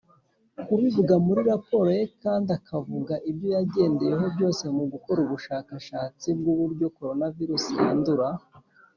kubivuga muri raporo ye kandi akavuga ibyo yagendeyeho byose mu gukora ubwo bushakashatsi bw’uburyo coronavirus yandura.